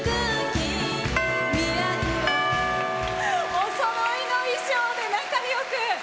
おそろいの衣装で仲よく！